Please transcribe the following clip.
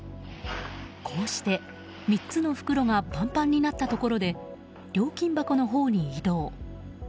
こうして、３つの袋がパンパンになったところで料金箱のほうに移動。